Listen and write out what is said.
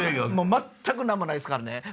全く何もないですからね